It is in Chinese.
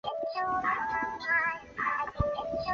彼得利用消防队的高压水将其制伏。